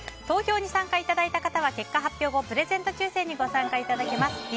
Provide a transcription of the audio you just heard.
投票に参加いただいた方は結果発表後にプレゼント抽選にご参加いただけます。